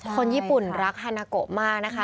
คนญี่ปุ่นรักฮานาโกมากนะคะ